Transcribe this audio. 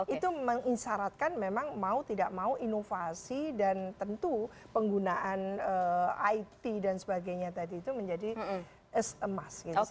itu mengisaratkan memang mau tidak mau inovasi dan tentu penggunaan it dan sebagainya tadi itu menjadi emas